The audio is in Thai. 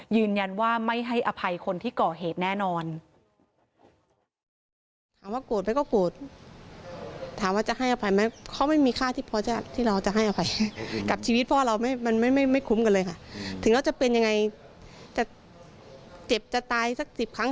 ยืนยันว่าไม่ให้อภัยคนที่ก่อเหตุแน่นอน